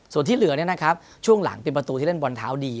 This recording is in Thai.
ส่วนที่เหลือช่วงหลังเป็นประตูที่เล่นบอลเท้าดี